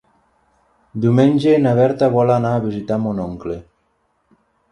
Diumenge na Berta vol anar a visitar mon oncle.